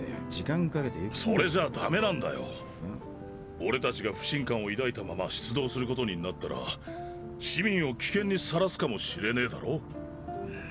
俺たちが不信感を抱いたまま出動することになったら市民を危険に晒すかもしれねぇだろ？。